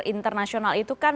internasional itu kan